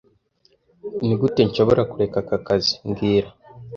Nigute nshobora kureka aka kazi mbwira